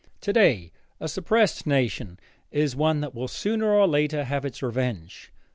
Today a "suppressed" nation is one that will sooner or later have its revenge.